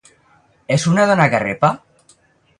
És una dona garrepa?